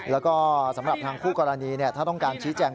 แล้วก็สำหรับทางคู่กรณีถ้าต้องการชี้แจง